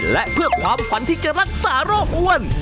และเพื่อความฝันที่จะรักษาโรคอ้วน